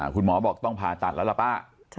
คุณหมอบอกต้องผ่าตัดแล้วล่ะป้า